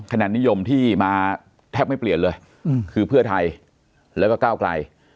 คะแนนนิยมที่มาแทบไม่เปลี่ยนเลยคือเพื่อไทยแล้วก็ก้าวไกล